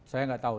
saya gak tahu